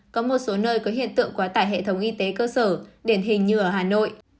có một số nơi có hiện tượng quá tải hệ thống y tế cơ sở điển hình như ở hà nội